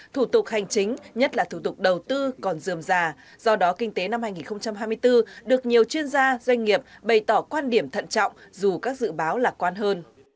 thủ tục hành chính nhất là thủ tục đầu tư còn dườm già do đó kinh tế năm hai nghìn hai mươi bốn được nhiều chuyên gia doanh nghiệp bày tỏ quan điểm thận trọng dù các dự báo lạc quan hơn